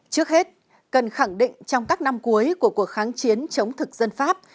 trước hết cần khẳng định trong các năm cuối của cuộc kháng chiến chống thực dân pháp